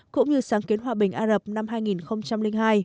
cũng như sáng kiến hòa bình arab năm hai nghìn hai